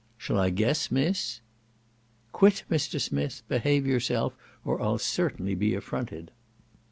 Shall I guess, Miss?" "Quit, Mr. Smith; behave yourself, or I'll certainly be affronted."